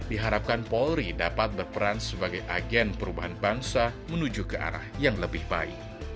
diharapkan polri dapat berperan sebagai agen perubahan bangsa menuju ke arah yang lebih baik